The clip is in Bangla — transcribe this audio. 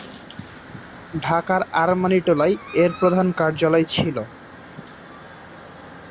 ঢাকার আরমানিটোলায় এর প্রধান কার্যালয় ছিল।